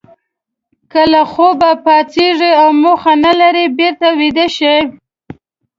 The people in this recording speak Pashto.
که له خوبه پاڅېږئ او موخه نه لرئ بېرته ویده شئ.